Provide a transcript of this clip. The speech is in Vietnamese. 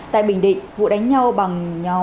tại bình định vụ đánh nhau bằng